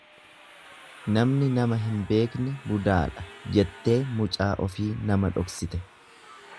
Namni nama hin beekne budaadha jettee mucaa ofii nama dhoksite.